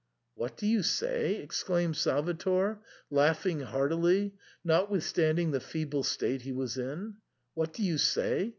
" What do you say ?" exclaimed Salvator, laughing heartily, notwithstanding the feeble state he was in. " What do you say